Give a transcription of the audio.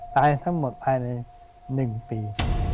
ตายทั้งหมดภายใน๑ปี